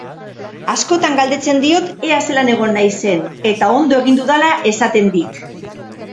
Askotan galdetzen diot ea zelan egon naizen eta ondo egin dudala esaten dit.